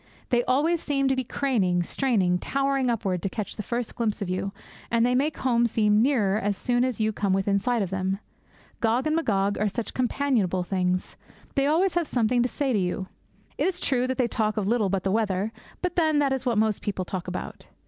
They always seem to be craning, straining, towering upward to catch the first glimpse of you; and they make home seem nearer as soon as you come within sight of them. Gog and Magog are such companionable things. They always have something to say to you. It is true that they talk of little but the weather; but then, that is what most people talk about.